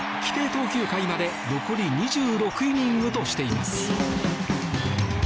投球回まで残り２６イニングとしています。